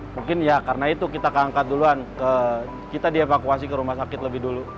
mungkin ya karena itu kita keangkat duluan kita dievakuasi ke rumah sakit lebih dulu